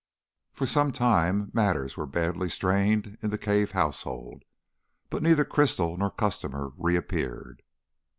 For some time matters were very badly strained in the Cave household, but neither crystal nor customer reappeared.